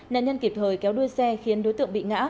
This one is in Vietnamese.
nạn nhân kịp thời kéo đuôi xe khiến đối tượng bị ngã